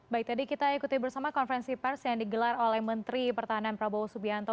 baik tadi kita ikuti bersama konferensi pers yang digelar oleh menteri pertahanan prabowo subianto